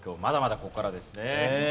まだまだここからですね。